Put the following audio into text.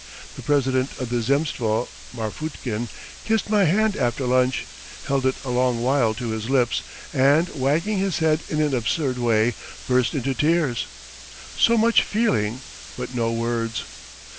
The president of the Zemstvo, Marfutkin, kissed my hand after lunch, held it a long while to his lips, and, wagging his head in an absurd way, burst into tears: so much feeling but no words!